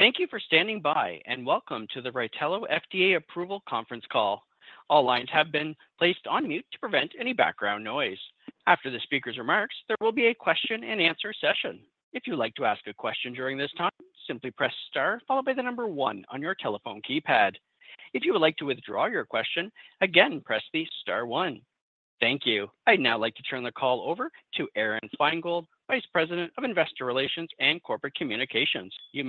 Thank you for standing by, and welcome to the RYTELO FDA Approval Conference Call. All lines have been placed on mute to prevent any background noise. After the speaker's remarks, there will be a question-and-answer session. If you would like to ask a question during this time, simply press star, followed by the number one on your telephone keypad. If you would like to withdraw your question, again, press the star one. Thank you. I'd now like to turn the call over to Aron Feingold, Vice President of Investor Relations and Corporate Communications. You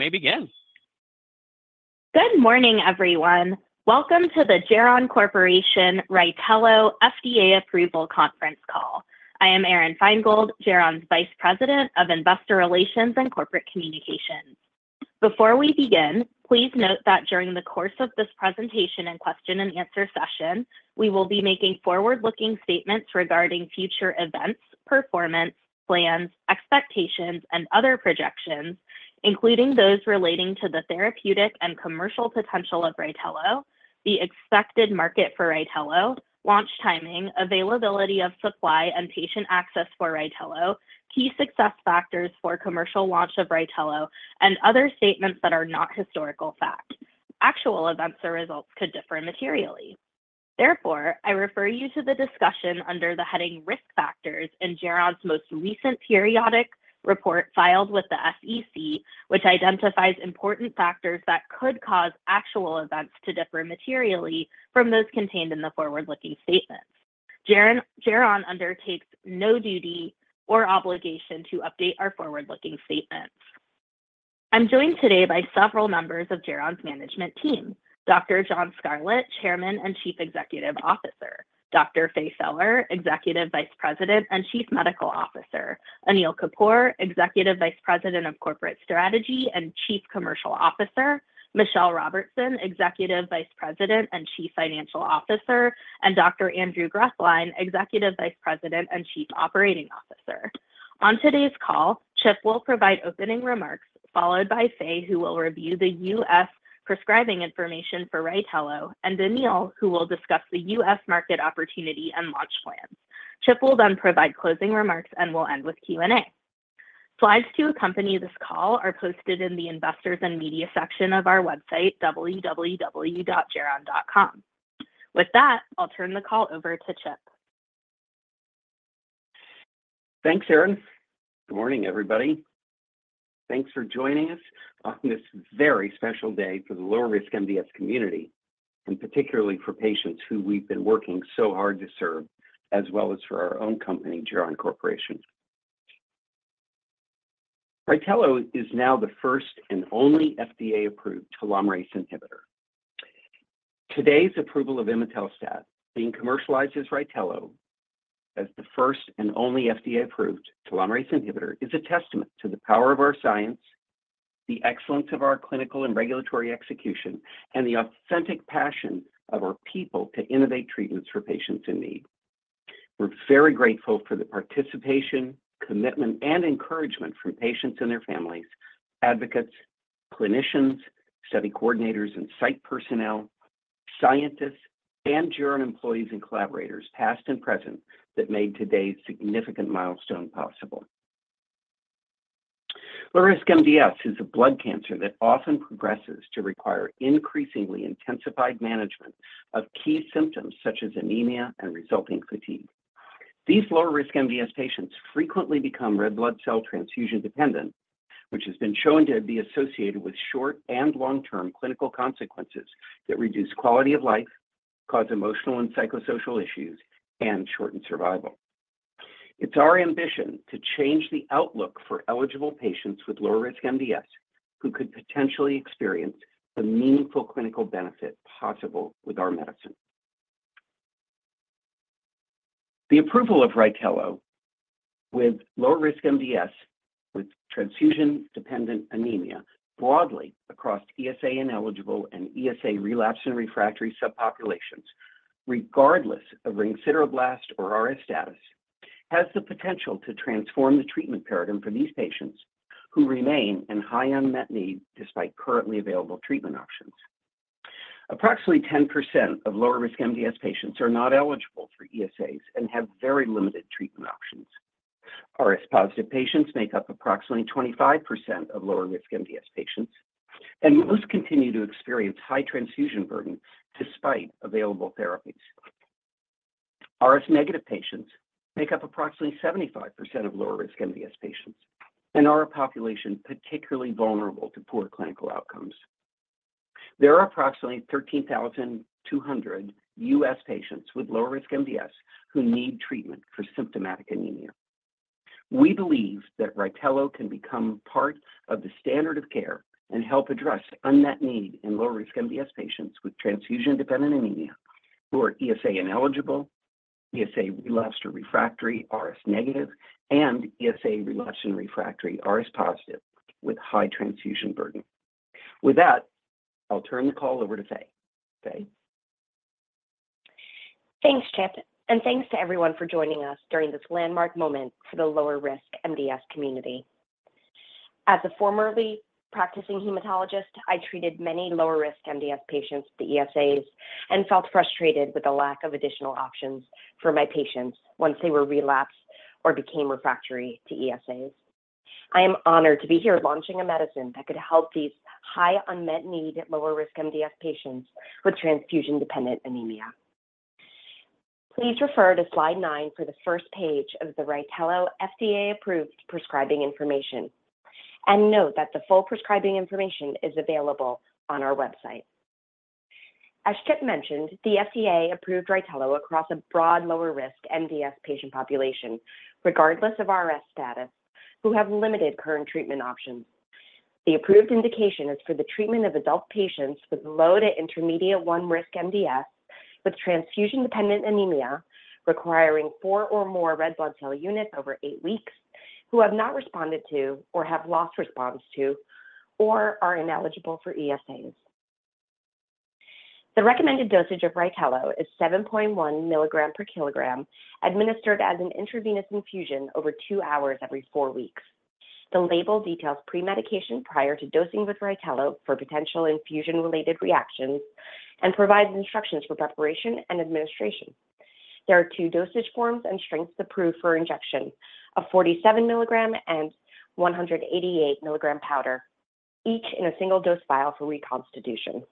may begin. Good morning, everyone. Welcome to the Geron Corporation RYTELO FDA Approval Conference Call. I am Aron Feingold, Geron's Vice President of Investor Relations and Corporate Communications. Before we begin, please note that during the course of this presentation and question-and-answer session, we will be making forward-looking statements regarding future events, performance, plans, expectations, and other projections, including those relating to the therapeutic and commercial potential of RYTELO, the expected market for RYTELO, launch timing, availability of supply and patient access for RYTELO, key success factors for commercial launch of RYTELO, and other statements that are not historical facts. Actual events or results could differ materially. Therefore, I refer you to the discussion under the heading Risk Factors in Geron's most recent periodic report filed with the SEC, which identifies important factors that could cause actual events to differ materially from those contained in the forward-looking statements. Geron undertakes no duty or obligation to update our forward-looking statements. I'm joined today by several members of Geron's management team: Dr. John Scarlett, Chairman and Chief Executive Officer; Dr. Faye Feller, Executive Vice President and Chief Medical Officer; Anil Kapur, Executive Vice President of Corporate Strategy and Chief Commercial Officer; Michelle Robertson, Executive Vice President and Chief Financial Officer; and Dr. Andrew Grethlein, Executive Vice President and Chief Operating Officer. On today's call, Chip will provide opening remarks, followed by Faye, who will review the U.S. prescribing information for RYTELO, and Anil, who will discuss the U.S. market opportunity and launch plans. Chip will then provide closing remarks and will end with Q&A. Slides to accompany this call are posted in the Investors and Media section of our website, www.geron.com. With that, I'll turn the call over to Chip. Thanks, Erin. Good morning, everybody. Thanks for joining us on this very special day for the low-risk MDS community, and particularly for patients who we've been working so hard to serve, as well as for our own company, Geron Corporation. RYTELO is now the first and only FDA-approved telomerase inhibitor. Today's approval of imetelstat, being commercialized as RYTELO, as the first and only FDA-approved telomerase inhibitor, is a testament to the power of our science, the excellence of our clinical and regulatory execution, and the authentic passion of our people to innovate treatments for patients in need. We're very grateful for the participation, commitment, and encouragement from patients and their families, advocates, clinicians, study coordinators, and site personnel, scientists, and Geron employees and collaborators, past and present, that made today's significant milestone possible. Low-risk MDS is a blood cancer that often progresses to require increasingly intensified management of key symptoms such as anemia and resulting fatigue. These low-risk MDS patients frequently become red blood cell transfusion dependent, which has been shown to be associated with short and long-term clinical consequences that reduce quality of life, cause emotional and psychosocial issues, and shorten survival. It's our ambition to change the outlook for eligible patients with low-risk MDS who could potentially experience the meaningful clinical benefit possible with our medicine. The approval of RYTELO with low-risk MDS, with transfusion-dependent anemia broadly across ESA ineligible and ESA relapse and refractory subpopulations, regardless of ring sideroblast or RS status, has the potential to transform the treatment paradigm for these patients who remain in high unmet need despite currently available treatment options. Approximately 10% of low-risk MDS patients are not eligible for ESAs and have very limited treatment options. RS-positive patients make up approximately 25% of low-risk MDS patients, and most continue to experience high transfusion burden despite available therapies. RS-negative patients make up approximately 75% of low-risk MDS patients and are a population particularly vulnerable to poor clinical outcomes. There are approximately 13,200 U.S. patients with low-risk MDS who need treatment for symptomatic anemia. We believe that RYTELO can become part of the standard of care and help address unmet need in low-risk MDS patients with transfusion-dependent anemia who are ESA ineligible, ESA relapse or refractory, RS-negative, and ESA relapse and refractory, RS-positive with high transfusion burden. With that, I'll turn the call over to Faye. Faye? Thanks, Chip, and thanks to everyone for joining us during this landmark moment for the lower-risk MDS community. As a formerly practicing hematologist, I treated many lower-risk MDS patients with the ESAs and felt frustrated with the lack of additional options for my patients once they were relapsed or became refractory to ESAs. I am honored to be here launching a medicine that could help these high unmet need lower-risk MDS patients with transfusion-dependent anemia. Please refer to slide nine for the first page of the RYTELO FDA-approved prescribing information, and note that the full prescribing information is available on our website. As Chip mentioned, the FDA approved RYTELO across a broad lower-risk MDS patient population, regardless of RS status, who have limited current treatment options. The approved indication is for the treatment of adult patients with low- to intermediate-1-risk MDS with transfusion-dependent anemia requiring four or more red blood cell units over eight weeks, who have not responded to or have lost response to, or are ineligible for ESAs. The recommended dosage of RYTELO is 7.1 milligrams per kilogram, administered as an intravenous infusion over two hours every four weeks. The label details pre-medication prior to dosing with RYTELO for potential infusion-related reactions and provides instructions for preparation and administration. There are two dosage forms and strengths approved for injection of 47 milligrams and 188 milligrams powder, each in a single dose vial for reconstitution.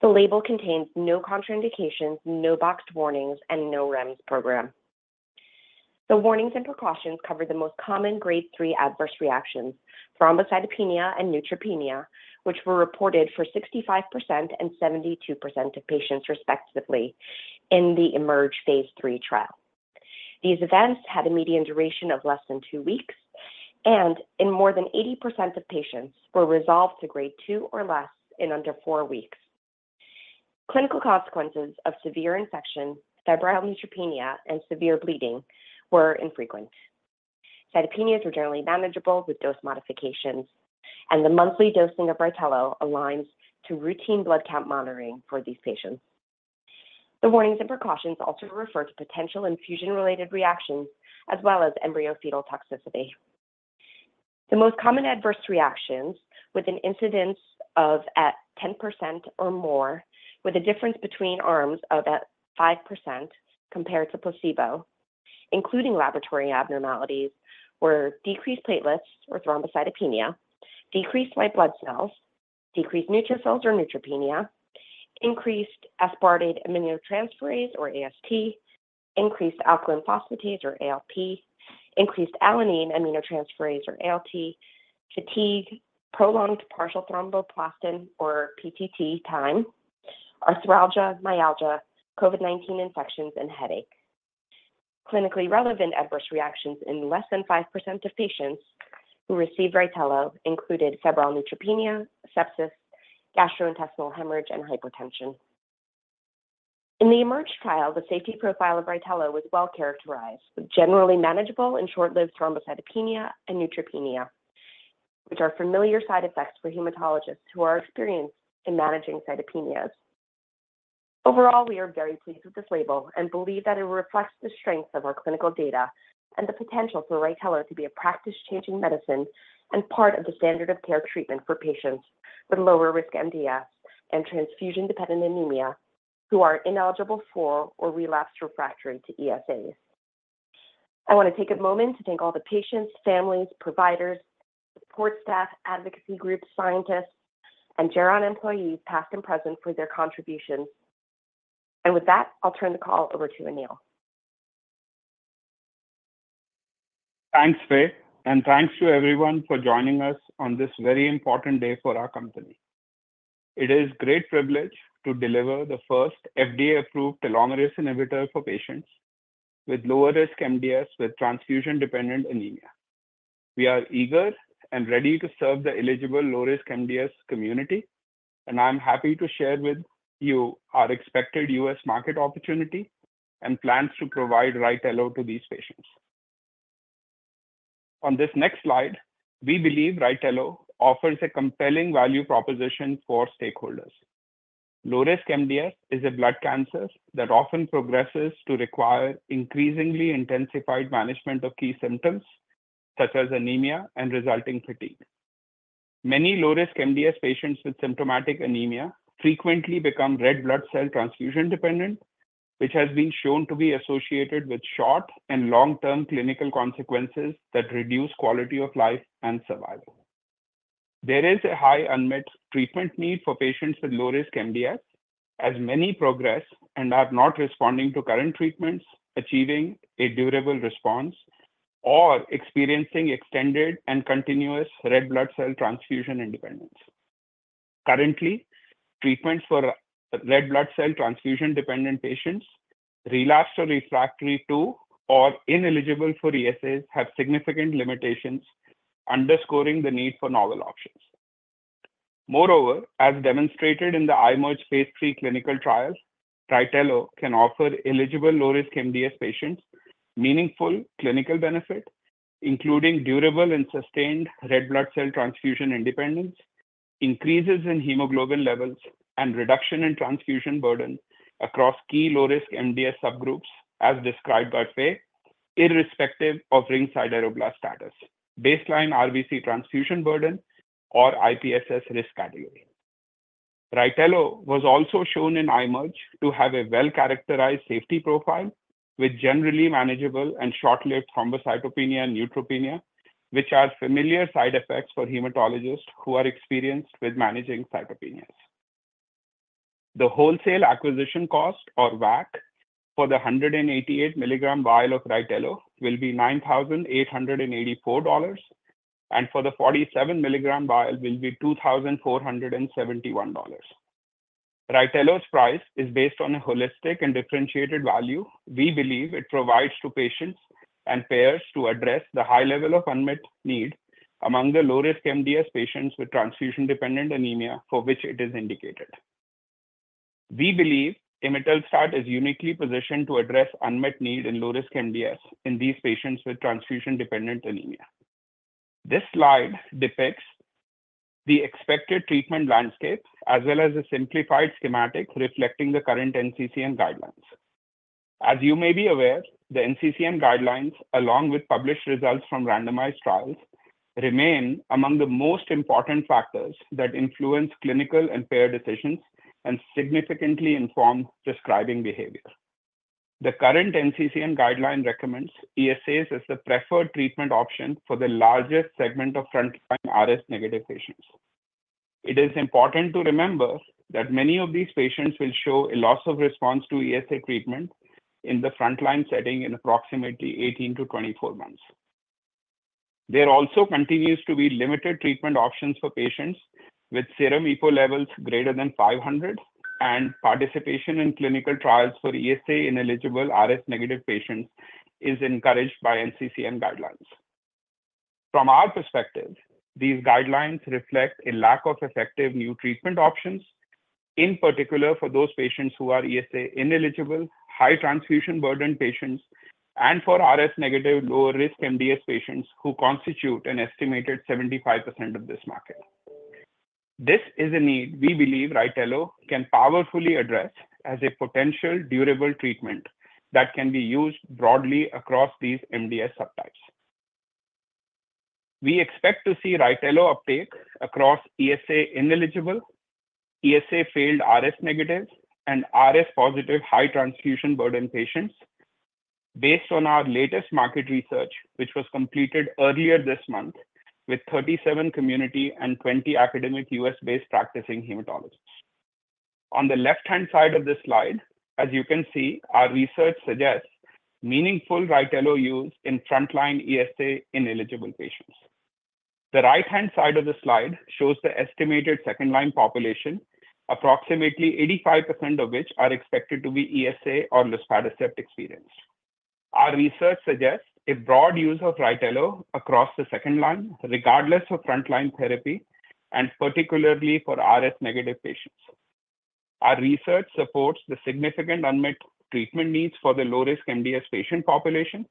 The label contains no contraindications, no boxed warnings, and no REMS program. The warnings and precautions cover the most common grade three adverse reactions, thrombocytopenia and neutropenia, which were reported for 65% and 72% of patients, respectively, in the IMerge Phase III trial. These events had a median duration of less than two weeks, and in more than 80% of patients, were resolved to grade two or less in under four weeks. Clinical consequences of severe infection, febrile neutropenia, and severe bleeding were infrequent. Cytopenias were generally manageable with dose modifications, and the monthly dosing of RYTELO aligns to routine blood count monitoring for these patients. The warnings and precautions also refer to potential infusion-related reactions, as well as embryo-fetal toxicity. The most common adverse reactions, with an incidence of 10% or more, with a difference between arms of 5% compared to placebo, including laboratory abnormalities, were decreased platelets or thrombocytopenia, decreased white blood cells, decreased neutrophils or neutropenia, increased aspartate aminotransferase or AST, increased alkaline phosphatase or ALP, increased alanine aminotransferase or ALT, fatigue, prolonged partial thromboplastin or PTT time, arthralgia, myalgia, COVID-19 infections, and headache. Clinically relevant adverse reactions in less than 5% of patients who received RYTELO included febrile neutropenia, sepsis, gastrointestinal hemorrhage, and hypertension. In the IMerge trial, the safety profile of RYTELO was well characterized, with generally manageable and short-lived thrombocytopenia and neutropenia, which are familiar side effects for hematologists who are experienced in managing cytopenias. Overall, we are very pleased with this label and believe that it reflects the strength of our clinical data and the potential for RYTELO to be a practice-changing medicine and part of the standard of care treatment for patients with lower-risk MDS and transfusion-dependent anemia who are ineligible for or relapse refractory to ESAs. I want to take a moment to thank all the patients, families, providers, support staff, advocacy groups, scientists, and Geron employees, past and present, for their contributions. With that, I'll turn the call over to Anil. Thanks, Faye, and thanks to everyone for joining us on this very important day for our company. It is a great privilege to deliver the first FDA-approved telomerase inhibitor for patients with lower-risk MDS with transfusion-dependent anemia. We are eager and ready to serve the eligible low-risk MDS community, and I'm happy to share with you our expected U.S. market opportunity and plans to provide RYTELO to these patients. On this next slide, we believe RYTELO offers a compelling value proposition for stakeholders. Low-risk MDS is a blood cancer that often progresses to require increasingly intensified management of key symptoms such as anemia and resulting fatigue. Many low-risk MDS patients with symptomatic anemia frequently become red blood cell transfusion dependent, which has been shown to be associated with short and long-term clinical consequences that reduce quality of life and survival. There is a high unmet treatment need for patients with low-risk MDS, as many progress and are not responding to current treatments, achieving a durable response, or experiencing extended and continuous red blood cell transfusion independence. Currently, treatments for red blood cell transfusion dependent patients, relapsed or refractory to, or ineligible for ESAs, have significant limitations, underscoring the need for novel options. Moreover, as demonstrated in the IMerge Phase III clinical trial, RYTELO can offer eligible low-risk MDS patients meaningful clinical benefit, including durable and sustained red blood cell transfusion independence, increases in hemoglobin levels, and reduction in transfusion burden across key low-risk MDS subgroups, as described by Faye, irrespective of ring sideroblast status, baseline RBC transfusion burden, or IPSS risk category. RYTELO was also shown in IMerge to have a well-characterized safety profile with generally manageable and short-lived thrombocytopenia and neutropenia, which are familiar side effects for hematologists who are experienced with managing cytopenias. The wholesale acquisition cost, or WAC, for the 188 milligram vial of RYTELO will be $9,884, and for the 47 milligram vial will be $2,471. RYTELO's price is based on a holistic and differentiated value we believe it provides to patients and payers to address the high level of unmet need among the low-risk MDS patients with transfusion-dependent anemia for which it is indicated. We believe imetelstat is uniquely positioned to address unmet need in low-risk MDS in these patients with transfusion-dependent anemia. This slide depicts the expected treatment landscape, as well as a simplified schematic reflecting the current NCCN guidelines. As you may be aware, the NCCN guidelines, along with published results from randomized trials, remain among the most important factors that influence clinical and payer decisions and significantly inform prescribing behavior. The current NCCN guideline recommends ESAs as the preferred treatment option for the largest segment of frontline RS-negative patients. It is important to remember that many of these patients will show a loss of response to ESA treatment in the frontline setting in approximately 18-24 months. There also continues to be limited treatment options for patients with serum EPO levels greater than 500, and participation in clinical trials for ESA-ineligible RS-negative patients is encouraged by NCCN guidelines. From our perspective, these guidelines reflect a lack of effective new treatment options, in particular for those patients who are ESA-ineligible, high transfusion burden patients, and for RS-negative lower-risk MDS patients who constitute an estimated 75% of this market. This is a need we believe RYTELO can powerfully address as a potential durable treatment that can be used broadly across these MDS subtypes. We expect to see RYTELO uptake across ESA-ineligible, ESA-failed RS-negative, and RS-positive high transfusion burden patients based on our latest market research, which was completed earlier this month with 37 community and 20 academic U.S.-based practicing hematologists. On the left-hand side of this slide, as you can see, our research suggests meaningful RYTELO use in frontline ESA-ineligible patients. The right-hand side of the slide shows the estimated second-line population, approximately 85% of which are expected to be ESA or luspatercept experienced. Our research suggests a broad use of RYTELO across the second line, regardless of frontline therapy, and particularly for RS-negative patients. Our research supports the significant unmet treatment needs for the low-risk MDS patient population,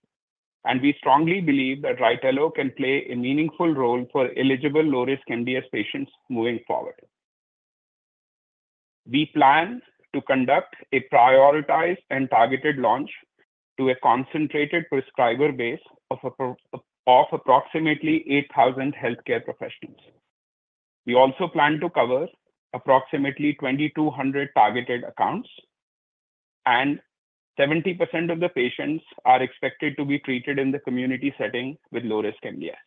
and we strongly believe that RYTELO can play a meaningful role for eligible low-risk MDS patients moving forward. We plan to conduct a prioritized and targeted launch to a concentrated prescriber base of approximately 8,000 healthcare professionals. We also plan to cover approximately 2,200 targeted accounts, and 70% of the patients are expected to be treated in the community setting with low-risk MDS.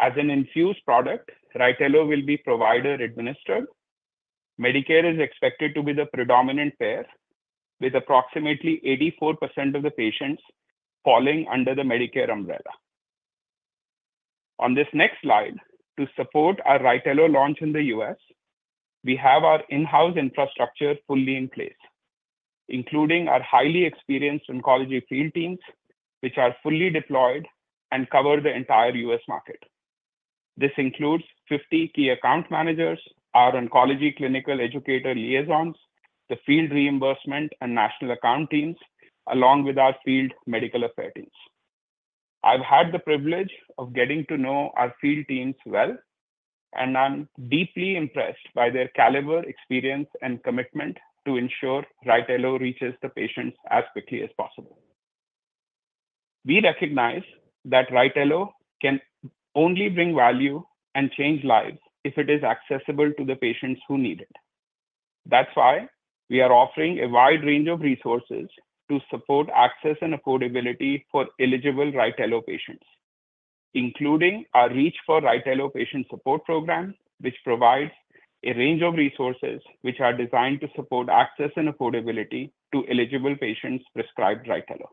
As an infused product, RYTELO will be provider-administered. Medicare is expected to be the predominant payer, with approximately 84% of the patients falling under the Medicare umbrella. On this next slide, to support our RYTELO launch in the U.S., we have our in-house infrastructure fully in place, including our highly experienced oncology field teams, which are fully deployed and cover the entire U.S. market. This includes 50 key account managers, our oncology clinical educator liaisons, the field reimbursement and national account teams, along with our field medical affairs teams. I've had the privilege of getting to know our field teams well, and I'm deeply impressed by their caliber, experience, and commitment to ensure RYTELO reaches the patients as quickly as possible. We recognize that RYTELO can only bring value and change lives if it is accessible to the patients who need it. That's why we are offering a wide range of resources to support access and affordability for eligible RYTELO patients, including our Reach for RYTELO Patient Support Program, which provides a range of resources that are designed to support access and affordability to eligible patients prescribed RYTELO.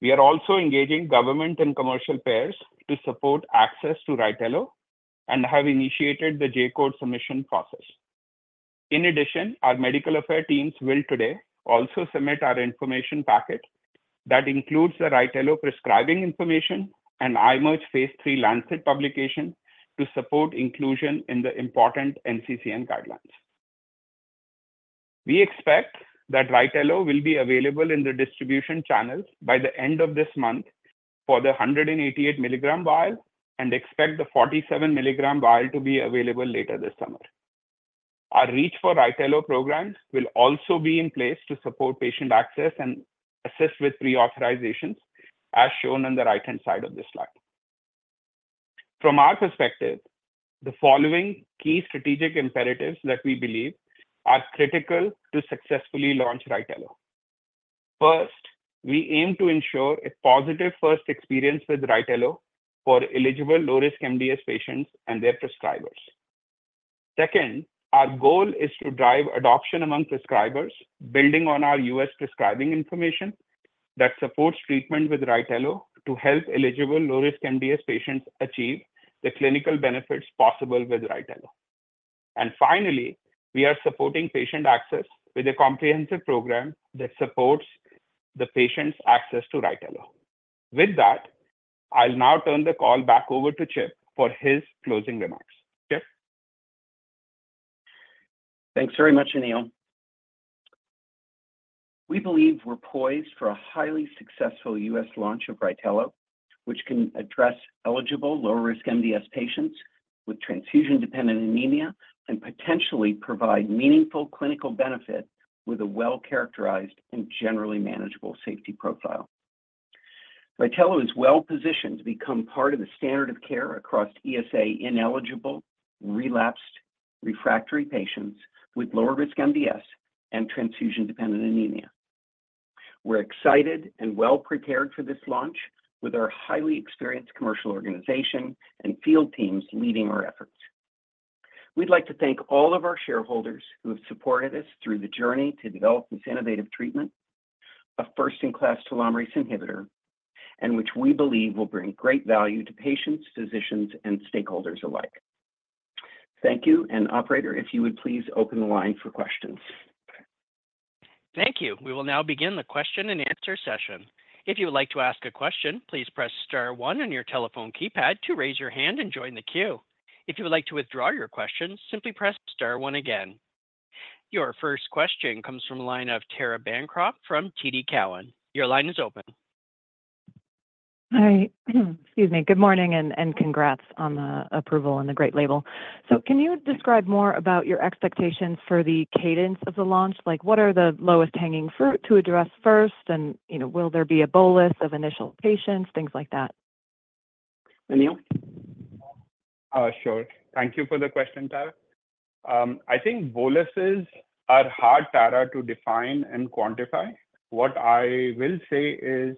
We are also engaging government and commercial payers to support access to RYTELO and have initiated the J-code submission process. In addition, our medical affairs teams will today also submit our information packet that includes the RYTELO prescribing information and IMerge Phase III Lancet publication to support inclusion in the important NCCN guidelines. We expect that RYTELO will be available in the distribution channels by the end of this month for the 188 milligram vial and expect the 47 milligram vial to be available later this summer. Our Reach for RYTELO program will also be in place to support patient access and assist with pre-authorizations, as shown on the right-hand side of this slide. From our perspective, the following key strategic imperatives that we believe are critical to successfully launch RYTELO. First, we aim to ensure a positive first experience with RYTELO for eligible low-risk MDS patients and their prescribers. Second, our goal is to drive adoption among prescribers, building on our U.S. prescribing information that supports treatment with RYTELO to help eligible low-risk MDS patients achieve the clinical benefits possible with RYTELO. And finally, we are supporting patient access with a comprehensive program that supports the patient's access to RYTELO. With that, I'll now turn the call back over to Chip for his closing remarks. Chip. Thanks very much, Anil. We believe we're poised for a highly successful U.S. launch of RYTELO, which can address eligible low-risk MDS patients with transfusion-dependent anemia and potentially provide meaningful clinical benefit with a well-characterized and generally manageable safety profile. RYTELO is well positioned to become part of the standard of care across ESA-ineligible, relapsed refractory patients with lower-risk MDS and transfusion-dependent anemia. We're excited and well prepared for this launch with our highly experienced commercial organization and field teams leading our efforts. We'd like to thank all of our shareholders who have supported us through the journey to develop this innovative treatment, a first-in-class telomerase inhibitor, and which we believe will bring great value to patients, physicians, and stakeholders alike. Thank you, and Operator, if you would please open the line for questions. Thank you. We will now begin the question-and-answer session. If you would like to ask a question, please press star one on your telephone keypad to raise your hand and join the queue. If you would like to withdraw your question, simply press star one again. Your first question comes from the line of Tara Bancroft from TD Cowen. Your line is open. Hi. Excuse me. Good morning and congrats on the approval and the great label. So can you describe more about your expectations for the cadence of the launch? Like, what are the lowest-hanging fruit to address first? And will there be a bolus of initial patients, things like that? Anil? Sure. Thank you for the question, Tara. I think boluses are hard, Tara, to define and quantify. What I will say is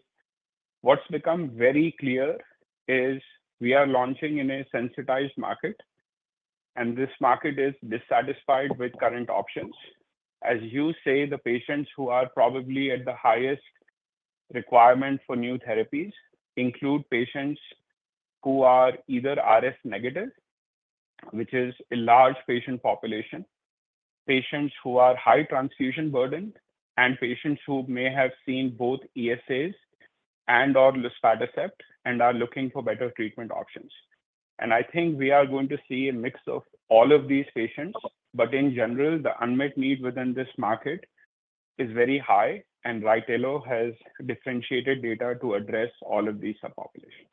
what's become very clear is we are launching in a sensitized market, and this market is dissatisfied with current options. As you say, the patients who are probably at the highest requirement for new therapies include patients who are either RS-negative, which is a large patient population, patients who are high transfusion burden, and patients who may have seen both ESAs and/or luspatercept and are looking for better treatment options. And I think we are going to see a mix of all of these patients, but in general, the unmet need within this market is very high, and RYTELO has differentiated data to address all of these subpopulations.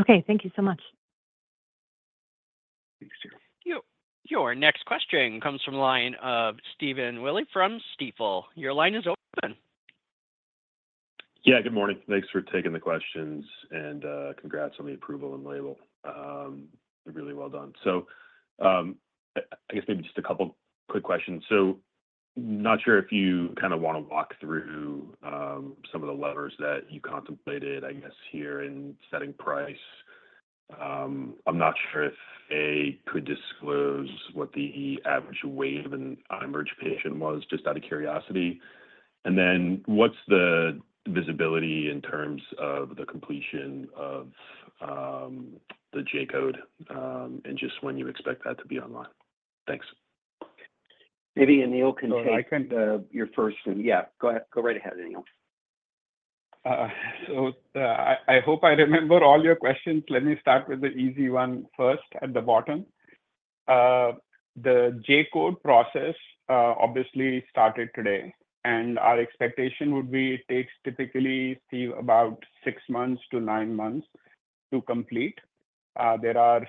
Okay. Thank you so much. Thanks, Chip. Your next question comes from the line of Stephen Willey from Stifel. Your line is open. Yeah. Good morning. Thanks for taking the questions and congrats on the approval and label. Really well done. So I guess maybe just a couple of quick questions. So not sure if you kind of want to walk through some of the levers that you contemplated, I guess, here in setting price. I'm not sure if A, could disclose what the average weight of an IMerge patient was, just out of curiosity. And then what's the visibility in terms of the completion of the J-code and just when you expect that to be online? Thanks. Maybe Anil can take. Oh, I can take your first one. Yeah. Go ahead. Go right ahead, Anil. So I hope I remember all your questions. Let me start with the easy one first at the bottom. The J-code process obviously started today, and our expectation would be it takes typically, Steve, about 6-9 months to complete. There are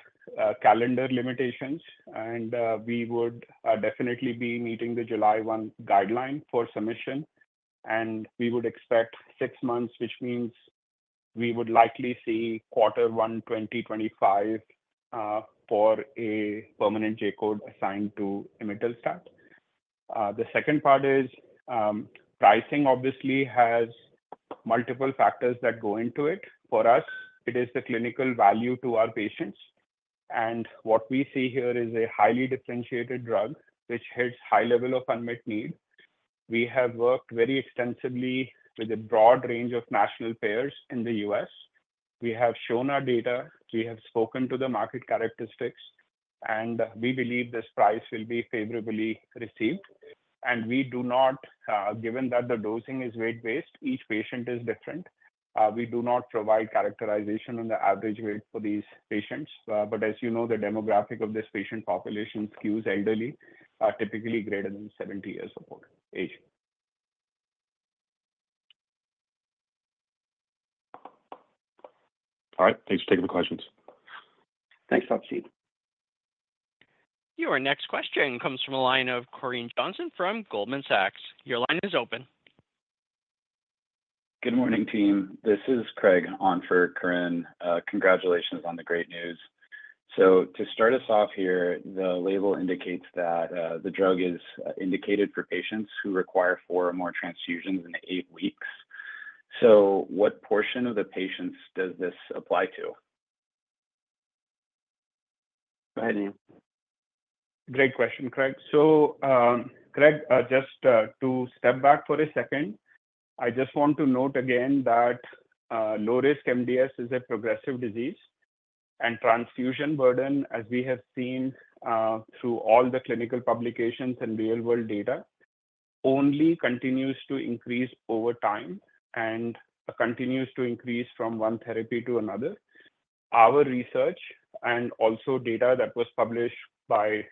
calendar limitations, and we would definitely be meeting the July 1 guideline for submission, and we would expect 6 months, which means we would likely see Q1 2025 for a permanent J-code assigned to imetelstat. The second part is pricing, obviously, has multiple factors that go into it. For us, it is the clinical value to our patients. And what we see here is a highly differentiated drug, which hits a high level of unmet need. We have worked very extensively with a broad range of national payers in the U.S. We have shown our data. We have spoken to the market characteristics, and we believe this price will be favorably received. We do not, given that the dosing is weight-based, each patient is different. We do not provide characterization on the average weight for these patients. As you know, the demographic of this patient population skews elderly, typically greater than 70 years of age. All right. Thanks for taking the questions. Thanks a lot, Steve. Your next question comes from the line of Corinne Johnson from Goldman Sachs. Your line is open. Good morning, team. This is Craig Johnson. Congratulations on the great news. To start us off here, the label indicates that the drug is indicated for patients who require four or more transfusions in eight weeks. What portion of the patients does this apply to? Go ahead, Anil. Great question, Craig. So Craig, just to step back for a second, I just want to note again that low-risk MDS is a progressive disease, and transfusion burden, as we have seen through all the clinical publications and real-world data, only continues to increase over time and continues to increase from one therapy to another. Our research and also data that was published by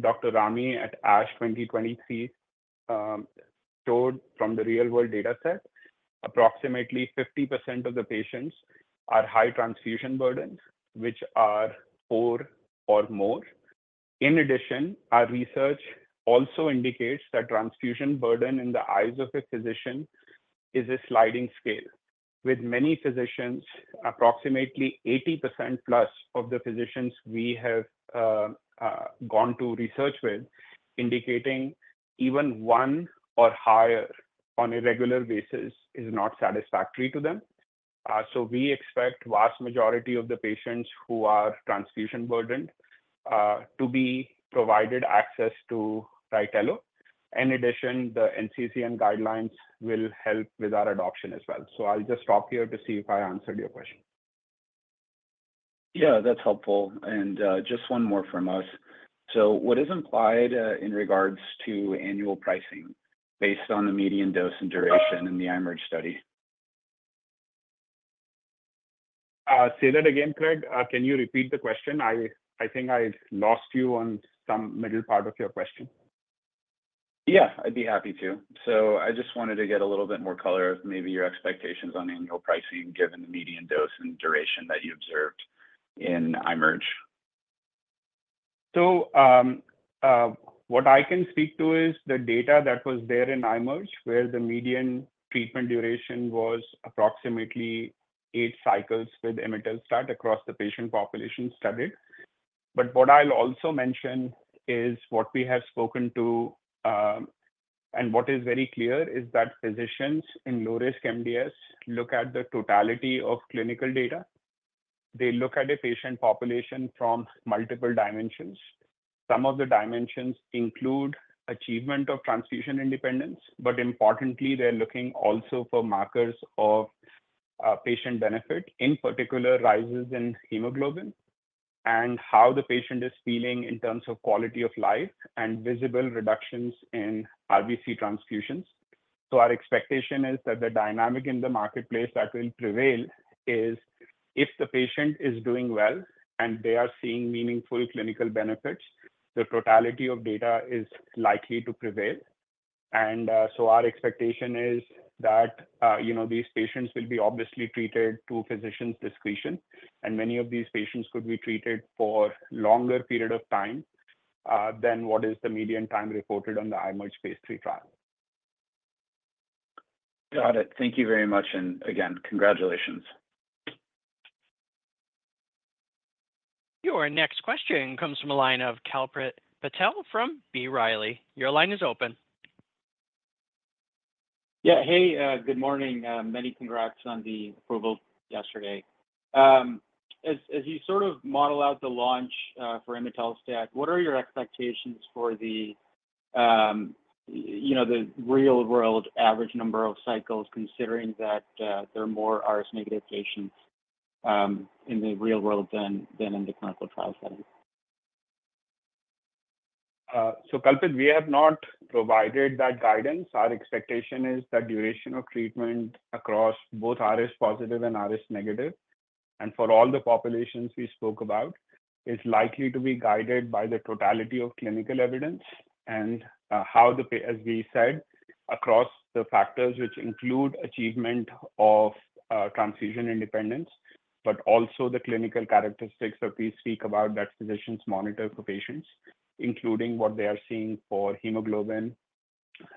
Dr. Rami at ASH 2023 showed from the real-world dataset, approximately 50% of the patients are high transfusion burdens, which are four or more. In addition, our research also indicates that transfusion burden in the eyes of a physician is a sliding scale, with many physicians, approximately 80% plus of the physicians we have gone to research with, indicating even one or higher on a regular basis is not satisfactory to them. We expect the vast majority of the patients who are transfusion burdened to be provided access to RYTELO. In addition, the NCCN guidelines will help with our adoption as well. I'll just stop here to see if I answered your question. Yeah. That's helpful. And just one more from us. So what is implied in regards to annual pricing based on the median dose and duration in the IMerge study? Say that again, Craig. Can you repeat the question? I think I lost you on some middle part of your question. Yeah. I'd be happy to. So I just wanted to get a little bit more color of maybe your expectations on annual pricing given the median dose and duration that you observed in IMerge. So what I can speak to is the data that was there in IMerge, where the median treatment duration was approximately 8 cycles with imetelstat across the patient population studied. But what I'll also mention is what we have spoken to, and what is very clear, is that physicians in low-risk MDS look at the totality of clinical data. They look at a patient population from multiple dimensions. Some of the dimensions include achievement of transfusion independence, but importantly, they're looking also for markers of patient benefit, in particular, rises in hemoglobin and how the patient is feeling in terms of quality of life and visible reductions in RBC transfusions. So our expectation is that the dynamic in the marketplace that will prevail is if the patient is doing well and they are seeing meaningful clinical benefits, the totality of data is likely to prevail. So our expectation is that these patients will be obviously treated to physicians' discretion, and many of these patients could be treated for a longer period of time than what is the median time reported on the IMerge Phase III trial. Got it. Thank you very much. And again, congratulations. Your next question comes from the line of Kalpit Patel from B. Riley. Your line is open. Yeah. Hey, good morning. Many congrats on the approval yesterday. As you sort of model out the launch for imetelstat, what are your expectations for the real-world average number of cycles, considering that there are more RS-negative patients in the real world than in the clinical trial setting? Kalpit, we have not provided that guidance. Our expectation is that duration of treatment across both RS-positive and RS-negative, and for all the populations we spoke about, is likely to be guided by the totality of clinical evidence and, as we said, across the factors which include achievement of transfusion independence, but also the clinical characteristics that we speak about that physicians monitor for patients, including what they are seeing for hemoglobin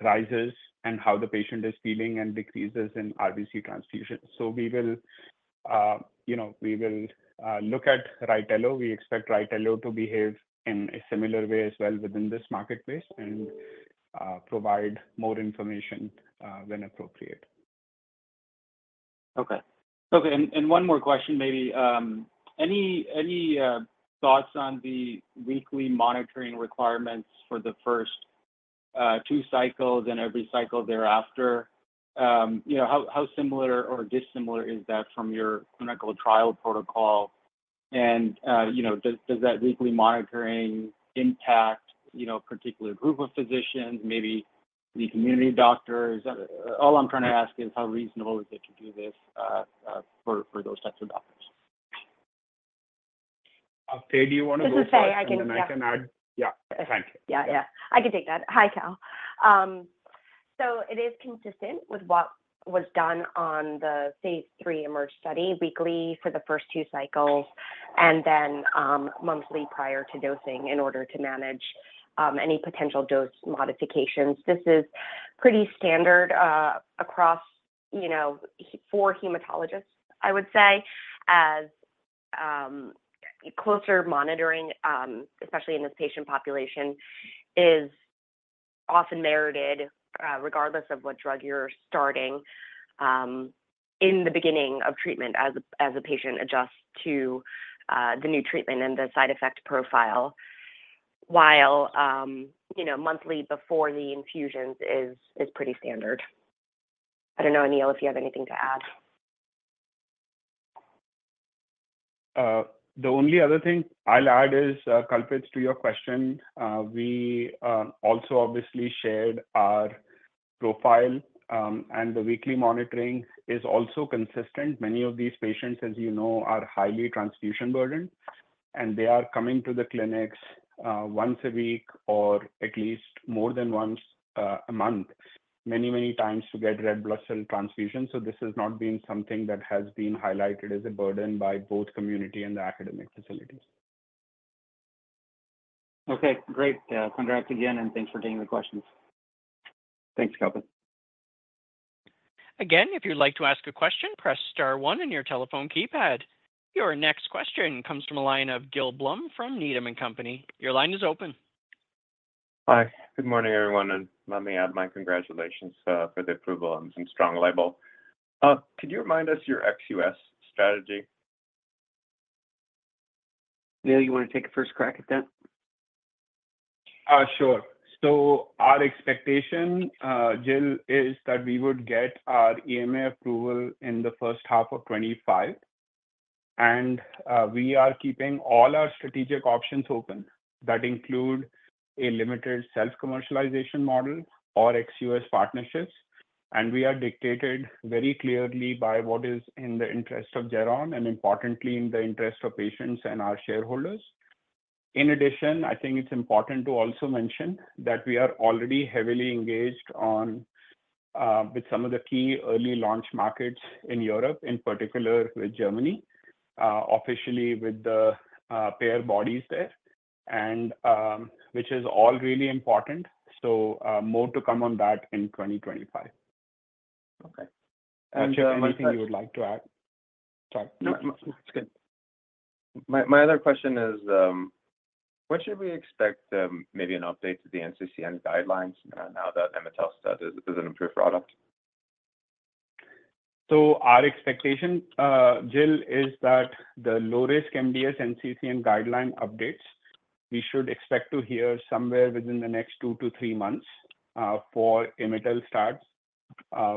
rises and how the patient is feeling and decreases in RBC transfusions. We will look at RYTELO. We expect RYTELO to behave in a similar way as well within this marketplace and provide more information when appropriate. Okay. Okay. And one more question, maybe. Any thoughts on the weekly monitoring requirements for the first two cycles and every cycle thereafter? How similar or dissimilar is that from your clinical trial protocol? And does that weekly monitoring impact a particular group of physicians, maybe the community doctors? All I'm trying to ask is how reasonable is it to do this for those types of doctors? Faye, do you want to go first? Just to say I can take that. And then I can add, yeah. Thank you. Yeah. Yeah. I can take that. Hi, Cal. So it is consistent with what was done on the Phase III IMerge study, weekly for the first two cycles and then monthly prior to dosing in order to manage any potential dose modifications. This is pretty standard across four hematologists, I would say, as closer monitoring, especially in this patient population, is often merited regardless of what drug you're starting in the beginning of treatment as a patient adjusts to the new treatment and the side effect profile, while monthly before the infusions is pretty standard. I don't know, Anil, if you have anything to add. The only other thing I'll add is, Kalpit, to your question, we also obviously shared our profile, and the weekly monitoring is also consistent. Many of these patients, as you know, are highly transfusion-burdened, and they are coming to the clinics once a week or at least more than once a month, many, many times to get red blood cell transfusions. So this has not been something that has been highlighted as a burden by both community and the academic facilities. Okay. Great. Congrats again, and thanks for taking the questions. Thanks, Kalpit. Again, if you'd like to ask a question, press star one in your telephone keypad. Your next question comes from a line of Gil Blum from Needham & Company. Your line is open. Hi. Good morning, everyone. Let me add my congratulations for the approval and some strong label. Could you remind us your ex-US strategy? Neil, you want to take a first crack at that? Sure. So our expectation, Gil, is that we would get our EMA approval in the first half of 2025. And we are keeping all our strategic options open that include a limited self-commercialization model or ex-US partnerships. And we are dictated very clearly by what is in the interest of Geron and, importantly, in the interest of patients and our shareholders. In addition, I think it's important to also mention that we are already heavily engaged with some of the key early launch markets in Europe, in particular with Germany, officially with the payer bodies there, which is all really important. So more to come on that in 2025. Okay. And. Not sure anything you would like to add? Sorry. No, no. It's good. My other question is, when should we expect maybe an update to the NCCN guidelines now that imetelstat is an approved product? So our expectation, Gil, is that the low-risk MDS NCCN guideline updates, we should expect to hear somewhere within the next 2-3 months for imetelstat,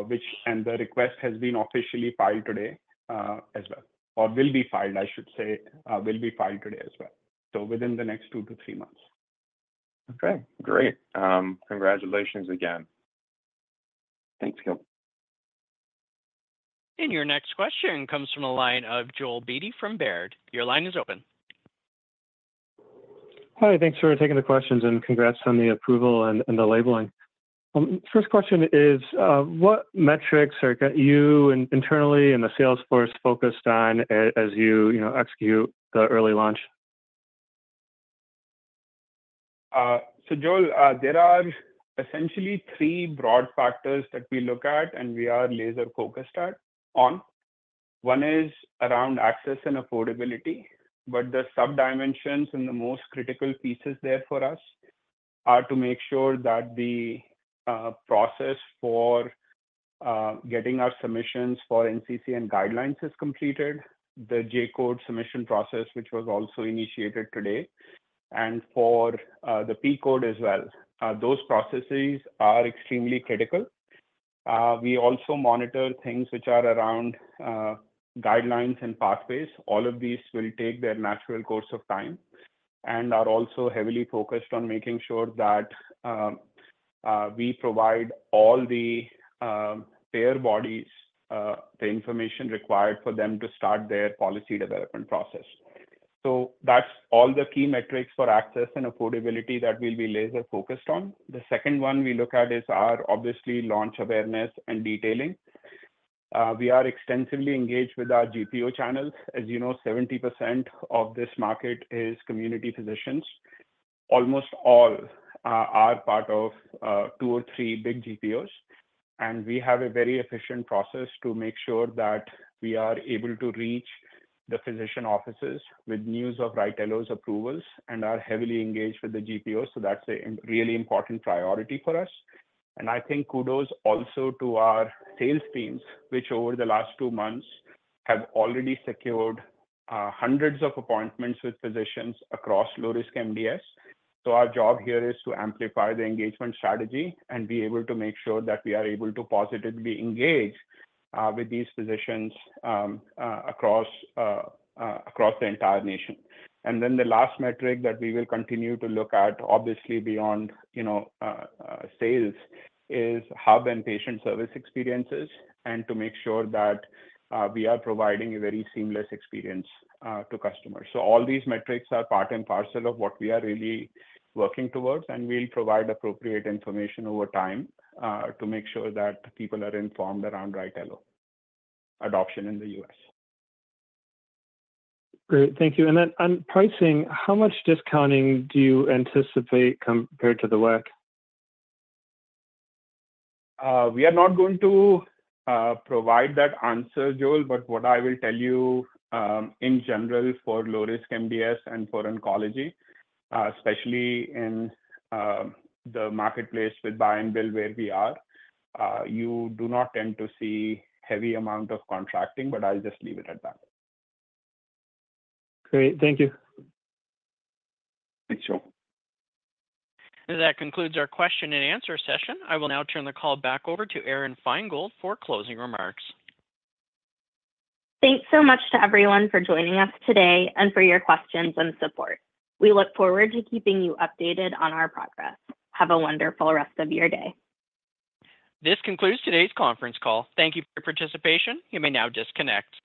which the request has been officially filed today as well, or will be filed, I should say, will be filed today as well. So within the next 2-3 months. Okay. Great. Congratulations again. Thanks, Gil. Your next question comes from the line of Joel Beatty from Baird. Your line is open. Hi. Thanks for taking the questions and congrats on the approval and the labeling. First question is, what metrics are you and internally and the sales force focused on as you execute the early launch? So Joel, there are essentially three broad factors that we look at and we are laser-focused on. One is around access and affordability. But the sub-dimensions and the most critical pieces there for us are to make sure that the process for getting our submissions for NCCN guidelines is completed, the J-code submission process, which was also initiated today, and for the P-code as well. Those processes are extremely critical. We also monitor things which are around guidelines and pathways. All of these will take their natural course of time and are also heavily focused on making sure that we provide all the payer bodies, the information required for them to start their policy development process. So that's all the key metrics for access and affordability that we'll be laser-focused on. The second one we look at is obviously our launch awareness and detailing. We are extensively engaged with our GPO channels. As you know, 70% of this market is community physicians. Almost all are part of two or three big GPOs. We have a very efficient process to make sure that we are able to reach the physician offices with news of RYTELO's approvals and are heavily engaged with the GPOs. That's a really important priority for us. I think kudos also to our sales teams, which over the last two months have already secured hundreds of appointments with physicians across low-risk MDS. Our job here is to amplify the engagement strategy and be able to make sure that we are able to positively engage with these physicians across the entire nation. And then the last metric that we will continue to look at, obviously beyond sales, is how then patient service experiences and to make sure that we are providing a very seamless experience to customers. All these metrics are part and parcel of what we are really working towards. We'll provide appropriate information over time to make sure that people are informed around RYTELO adoption in the U.S. Great. Thank you. And then on pricing, how much discounting do you anticipate compared to the WAC? We are not going to provide that answer, Joel, but what I will tell you in general for low-risk MDS and for oncology, especially in the marketplace with buy and bill where we are, you do not tend to see a heavy amount of contracting, but I'll just leave it at that. Great. Thank you. Thanks, Joel. That concludes our question and answer session. I will now turn the call back over to Aron Feingold for closing remarks. Thanks so much to everyone for joining us today and for your questions and support. We look forward to keeping you updated on our progress. Have a wonderful rest of your day. This concludes today's conference call. Thank you for your participation. You may now disconnect.